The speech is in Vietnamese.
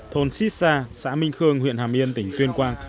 thôn xít sa xã minh khương huyện hàm yên tỉnh tuyên quang